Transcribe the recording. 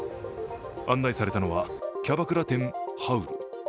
案内されたのはキャバクラ店ハウル。